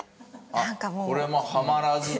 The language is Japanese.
これもはまらずと。